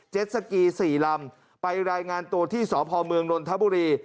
จัดสกี๔ลำไปรายงานตัวที่สพมธบุรี